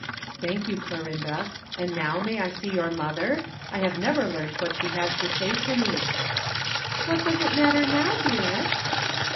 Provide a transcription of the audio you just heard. "Thank you, Clorinda. And now may I see your mother? I have never learnt what she has to say to me." "What does it matter now, dearest?"